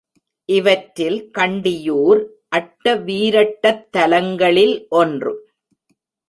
இவற்றில் கண்டியூர் அட்ட வீரட்டத்தலங்களில் ஒன்று.